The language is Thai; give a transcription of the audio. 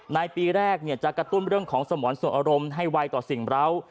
ในปีแรกจะกระตุ้นเรื่องของสมรสอารมณ์ให้ไวต่อสิ่งร้าว